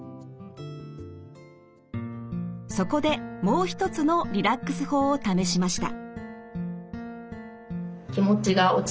そこでもう一つのリラックス法を試しました。